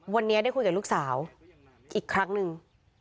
วันนี้ได้คุยกับลูกสาวอีกครั้งหนึ่ง